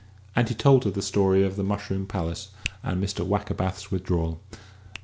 And he told her the story of the mushroom palace and Mr. Wackerbath's withdrawal.